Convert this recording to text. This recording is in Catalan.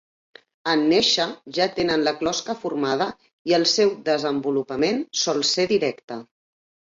En néixer, ja tenen la closca formada i el seu desenvolupament sol ser directe.